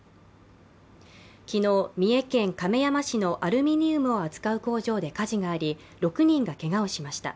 昨日、三重県亀山市のアルミニウムを扱う工場で火事があり６人がけがをしました。